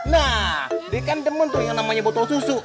nah dia kan demen tuh yang namanya botol susu